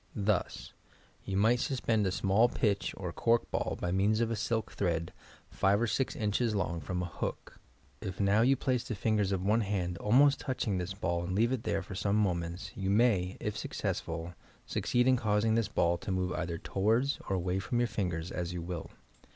Thus: You might suspend a small pith or cork ball by means of a silk thread, five or six inches long, from a hook. If now yon place the fingers of one hand almost touching this ball and leave it there for some moments, you may, if success ful, succeed in causing this ball to move either towards or away from your fingers as you will.